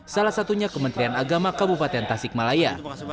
salah satunya kementerian agama kabupaten tasik malaya